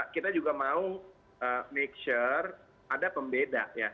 kita juga mau make sure ada pembeda ya